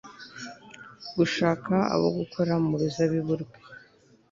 gushaka abo gukora mu ruzabibu rwe